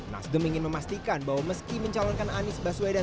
nasdem ingin memastikan bahwa meski mencalonkan anies baswedan